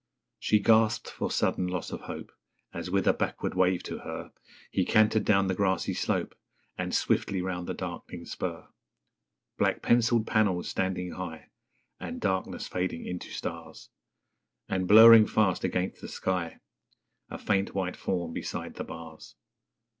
She gasped for sudden loss of hope, As, with a backward wave to her, He cantered down the grassy slope And swiftly round the dark'ning spur. Black pencilled panels standing high, And darkness fading into stars, And blurring fast against the sky, A faint white form beside the bars.